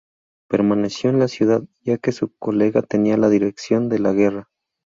Permaneció en la ciudad, ya que su colega tenía la dirección de la guerra.